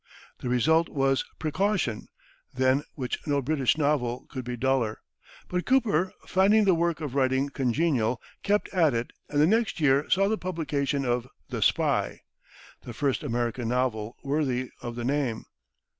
The result was "Precaution," than which no British novel could be duller. But Cooper, finding the work of writing congenial, kept at it, and the next year saw the publication of "The Spy," the first American novel worthy of the name.